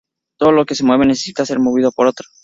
Todo lo que se mueve necesita ser movido por otro.